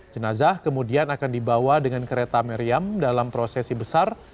jenazah kemudian akan dibawa dengan kereta meriam dalam prosesi besar